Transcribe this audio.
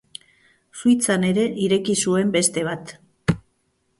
Suitzan ere ireki zuen beste bat.